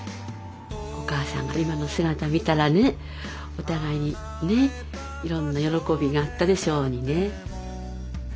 お母さんが今の姿見たらねお互いにねいろんな喜びがあったでしょうにね。